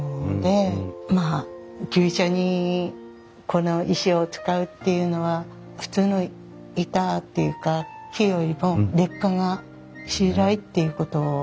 まあ牛舎にこの石を使うっていうのは普通の板っていうか木よりも劣化がしづらいっていうことだと思うんですけれども。